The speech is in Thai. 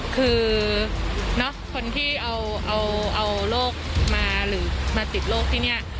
คือเนอะคนที่เอาเอาเอาโรคมาหรือมาติดโรคที่เนี้ย